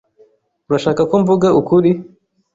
Urashaka ko mvuga ukuri?